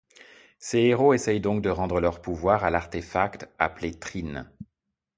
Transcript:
Ces héros essayent donc de rendre leurs pouvoirs à l'artefact, appelé Trine.